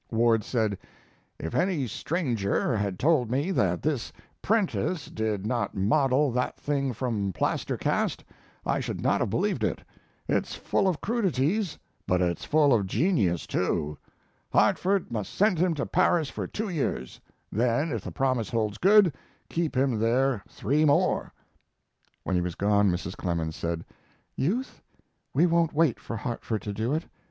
Ward said: "If any stranger had told me that this 'prentice did not model that thing from plaster casts I should not have believed it. It's full of crudities, but it's full of genius, too. Hartford must send him to Paris for two years; then, if the promise holds good, keep him there three more." When he was gone Mrs. Clemens said: "Youth, we won't wait for Hartford to do it.